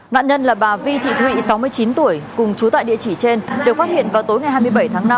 nạn nhân là bà vi thị thụy sáu mươi chín tuổi cùng trú tại địa chỉ trên được phát hiện vào tối ngày hai mươi bảy tháng năm